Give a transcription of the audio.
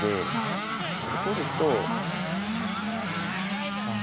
取ると３八角。